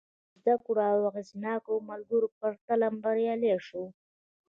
هغه له زدهکړو او اغېزناکو ملګرو پرته بريالی شو.